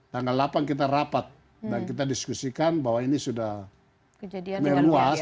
tanggal delapan kita rapat dan kita diskusikan bahwa ini sudah meluas